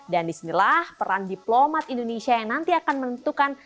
dan disinilah peran diplomat indonesia yang nanti akan menentukan